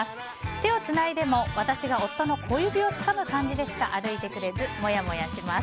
手をつないでも私が夫の小指をつかむ感じでしか歩いてくれずモヤモヤします。